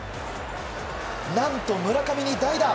何と、村上に代打。